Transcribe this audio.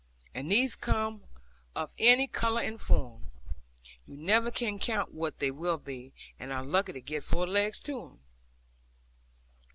And these come of any colour and form; you never can count what they will be, and are lucky to get four legs to them.